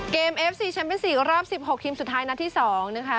เกมเอฟซีแชมเป็นสี่รอบสิบหกทีมสุดท้ายนัดที่สองนะคะ